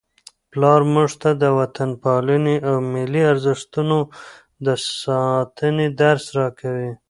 پلار موږ ته د وطنپالنې او ملي ارزښتونو د ساتنې درس راکوي.